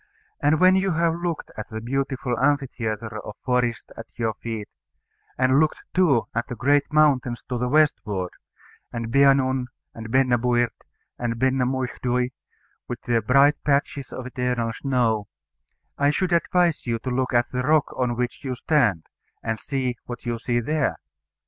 And when you have looked at the beautiful amphitheatre of forest at your feet, and looked too at the great mountains to the westward, and Benaun, and Benna buird and Benna muicdhui, with their bright patches of eternal snow, I should advise you to look at the rock on which you stand, and see what you see there.